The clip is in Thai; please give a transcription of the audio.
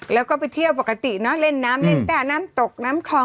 แล้วก็ไปเที่ยวปกติเนอะเล่นน้ำเล่นแต่น้ำตกน้ำคลอง